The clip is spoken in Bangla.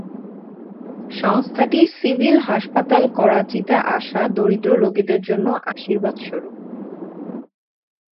সংস্থাটি সিভিল হাসপাতাল করাচিতে আসা দরিদ্র রোগীদের জন্য আশীর্বাদ স্বরূপ।